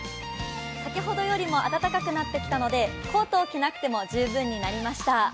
先ほどよりも暖かくなってきたので、コートを着なくても十分になりました。